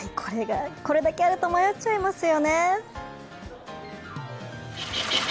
これだけあると迷っちゃいますよね。